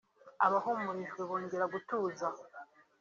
Abahumurijwe bongera gutuza